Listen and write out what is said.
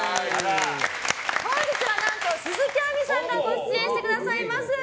本日は何と、鈴木亜美さんが出演してくださいます。